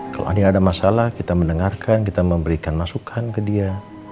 kalau ada masalah kita mendengarkan kita memberikan masukan ke dia